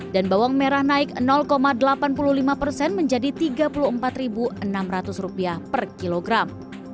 dan bawang merah naik delapan puluh lima menjadi rp tiga puluh empat enam ratus per kilogram